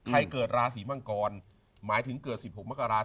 เกิดราศีมังกรหมายถึงเกิด๑๖มกราศ